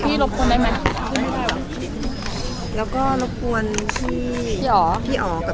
ภาษาสนิทยาลัยสุดท้าย